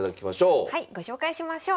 はいご紹介しましょう。